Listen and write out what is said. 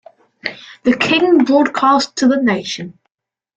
The King broadcast to the nation.